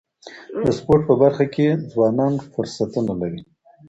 د سپورټ په برخه کي ځوانان فرصتونه لري.